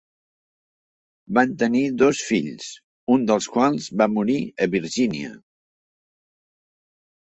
Van tenir dos fills, un dels quals va morir a Virgínia.